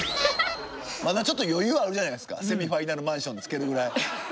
まだちょっと余裕あるじゃないですかセミファイナルマンション付けるぐらい。